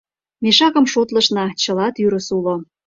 Мешакым шотлышна — чыла тӱрыс уло.